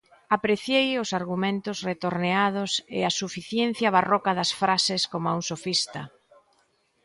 Apreciei os argumentos retorneados, e a suficiencia barroca das frases, coma un sofista.